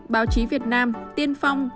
báo chí việt nam tiên phong